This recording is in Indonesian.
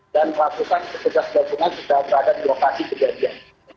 dan ratusan tugas gabungan sudah berada di lokasi kejadian